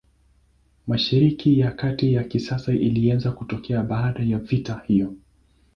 Mashariki ya Kati ya kisasa ilianza kutokea baada ya vita hiyo.